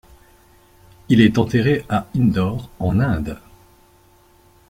Il est enterré à Indore, en Inde.